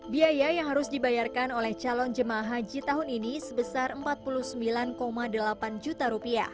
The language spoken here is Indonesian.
biaya yang harus dibayarkan oleh calon jemaah haji tahun ini sebesar rp empat puluh sembilan delapan juta